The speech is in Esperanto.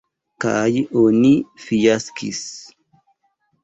Kaj oni fiaskis.